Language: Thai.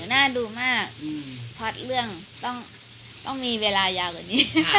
น่าดูมากพลัดเรื่องต้องต้องมีเวลายาวกว่านี้